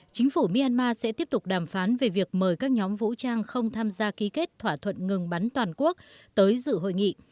chính phủ myanmar sẽ tiếp tục đàm phán về việc mời các nhóm vũ trang không tham gia ký kết thỏa thuận ngừng bắn toàn quốc tới dự hội nghị